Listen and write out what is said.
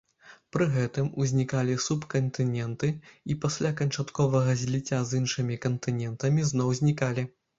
Пры гэтым узнікалі субкантыненты і пасля канчатковага зліцця з іншымі кантынентамі зноў знікалі.